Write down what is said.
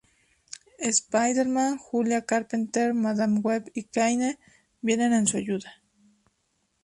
Spider-Man, Julia Carpenter, Madame Web, y Kaine vienen en su ayuda.